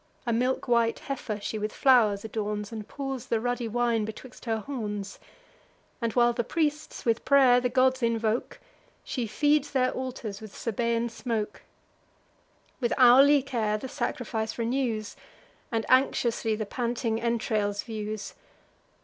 A milk white heifer she with flow'rs adorns, And pours the ruddy wine betwixt her horns; And, while the priests with pray'r the gods invoke, She feeds their altars with Sabaean smoke, With hourly care the sacrifice renews, And anxiously the panting entrails views.